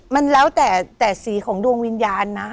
มันแล้วแต่แต่สีของดวงวิญญาณนะ